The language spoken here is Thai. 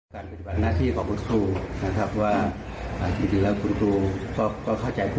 ต้องมีความปลดทนปลดกลั้นมากกว่าอาชีพทุกนะครับ